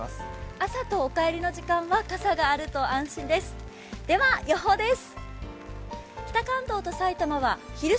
朝とお帰りの時間は傘があると安心です、では予報です。